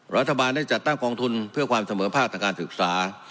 รัฐบาลได้จัดตั้งกองทุนเพื่อความเสมอภาคทางการศึกษา